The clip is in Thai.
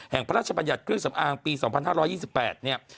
พระราชบัญญัติเครื่องสำอางปี๒๕๒๘เนี่ย